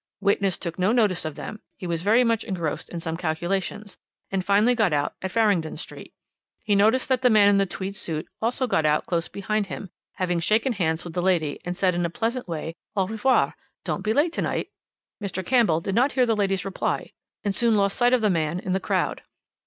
Witness took no notice of them; he was very much engrossed in some calculations, and finally got out at Farringdon Street. He noticed that the man in the tweed suit also got out close behind him, having shaken hands with the lady, and said in a pleasant way: 'Au revoir! Don't be late to night.' Mr. Campbell did not hear the lady's reply, and soon lost sight of the man in the crowd.